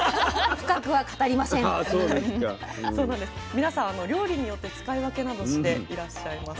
皆さん料理によって使い分けなどしていらっしゃいます。